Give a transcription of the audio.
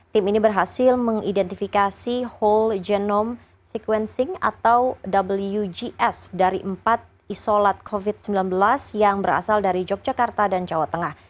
tim ini berhasil mengidentifikasi whole genome sequencing atau wgs dari empat isolat covid sembilan belas yang berasal dari yogyakarta dan jawa tengah